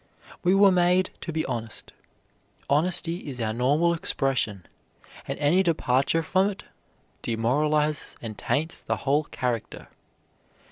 We were made to be honest. Honesty is our normal expression, and any departure from it demoralizes and taints the whole character.